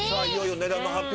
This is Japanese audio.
値段の発表